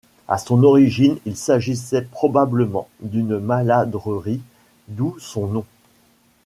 A son origine, ll s'agissait probablement d'une maladrerie d'où son nom.